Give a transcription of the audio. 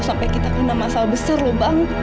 sampai kita kena masalah besar loh bang